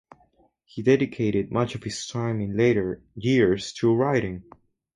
He dedicated much of his time in later years to writing.